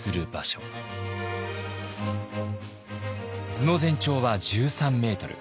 図の全長は１３メートル。